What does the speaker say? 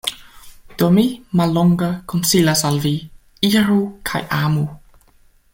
Do mi, mallonge, konsilas al Vi: Iru kaj amu!